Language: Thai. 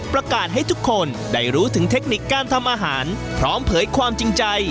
ประกาศให้ทุกคนได้รู้ถึงเทคนิคการทำอาหารพร้อมเผยความจริงใจ